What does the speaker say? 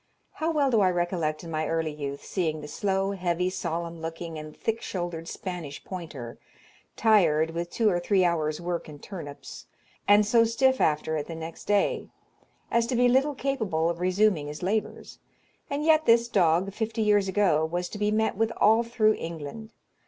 How well do I recollect in my early youth seeing the slow, heavy, solemn looking, and thick shouldered Spanish pointer, tired with two or three hours' work in turnips, and so stiff after it the next day, as to be little capable of resuming his labours. And yet this dog, fifty years ago, was to be met with all through England.